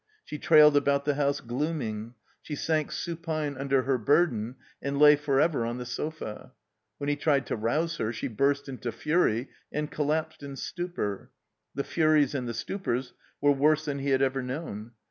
She trailed about the house, glooming; she sank supine under her burden and lay forever on the sofa. When he tried to rotise her she bturst into fury and collapsed in stupor. The furies and the stupors were worse than he had ever known.